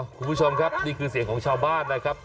คุณผู้ชมครับนี่คือเสียงของชาวบ้านนะครับ